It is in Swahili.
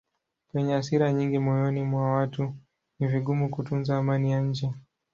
Penye hasira nyingi moyoni mwa watu ni vigumu kutunza amani ya nje.